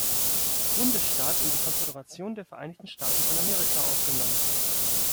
Bundesstaat in die Konföderation der Vereinigten Staaten von Amerika aufgenommen.